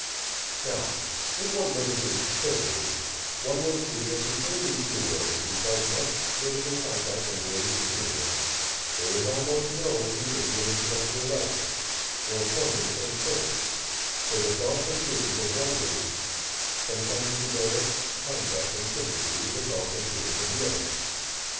Now if one notices carefully one will see that between these two worlds, despite much physical contact and daily intermingling, there is almost no community of intellectual life or point of transference where the thoughts and feelings of one race can come into direct contact and sympathy with the thoughts and feelings of the other.